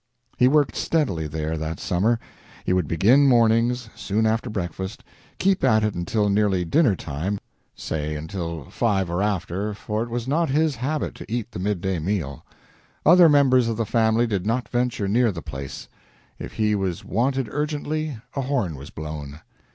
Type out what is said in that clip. He worked steadily there that summer. He would begin mornings, soon after breakfast, keeping at it until nearly dinner time, say until five or after, for it was not his habit to eat the midday meal. Other members of the family did not venture near the place; if he was wanted urgently, a horn was blown.